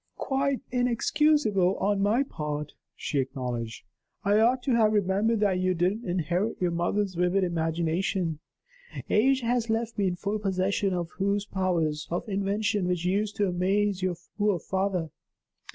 "Quite inexcusable on my part," she acknowledged; "I ought to have remembered that you don't inherit your mother's vivid imagination. Age has left me in full possession of those powers of invention which used to amaze your poor father.